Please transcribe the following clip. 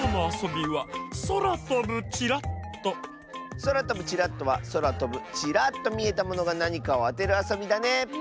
「そらとぶチラッと」はそらとぶチラッとみえたものがなにかをあてるあそびだねえ。